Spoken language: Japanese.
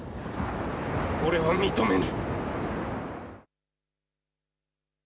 俺は認めぬ。